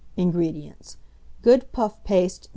INGREDIENTS. Good puff paste No.